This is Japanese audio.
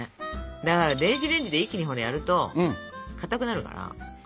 だから電子レンジで一気にやるとかたくなるから。